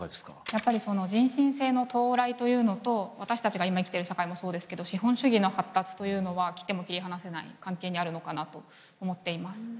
やっぱり人新世の到来というのと私たちが今生きてる社会もそうですけど資本主義の発達というのは切っても切り離せない関係にあるのかなと思っています。